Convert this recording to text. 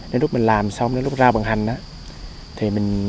nếu lúc mình làm xong lúc ra bằng hành